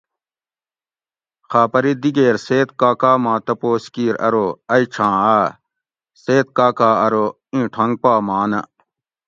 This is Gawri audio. "خاپری دِگیر سید کاکا ما تپوس کیر ارو ""ائ چھاں آ؟"" سید کاکا ارو ""ایں ٹھونگ پا ماں نہ"""